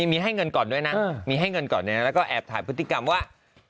มีให้เงินก่อนด้วยนะมีให้เงินก่อนแล้วก็แอบถ่ายพฤติกรรมว่า